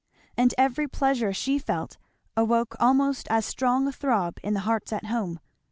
And every pleasure she felt awoke almost as strong a throb in the hearts at home.